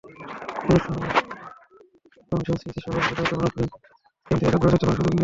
কমিশনে সিইসি সভাপতির দায়িত্ব পালন করবেন কিন্তু এককভাবে দায়িত্ব পালনের সুযোগ নেই।